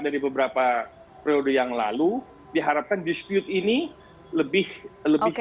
dari beberapa periode yang lalu diharapkan dispute ini lebih cepat